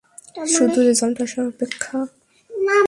শুধু রেজাল্ট আসার অপেক্ষা!